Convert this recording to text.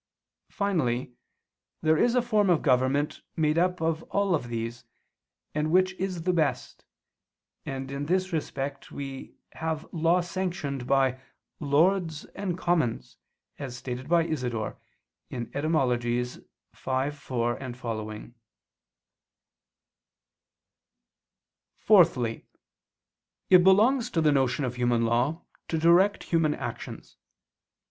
Finally, there is a form of government made up of all these, and which is the best: and in this respect we have law sanctioned by the Lords and Commons, as stated by Isidore (Etym. v, 4, seqq.). Fourthly, it belongs to the notion of human law to direct human actions.